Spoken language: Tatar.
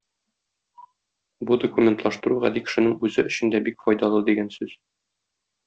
Бу документлаштыру гади кешенең үзе өчен дә бик файдалы дигән сүз.